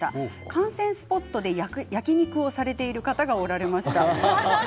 観戦スポットで焼き肉をされている方がおられました。